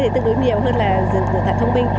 để tương đối nhiều hơn là điện thoại thông minh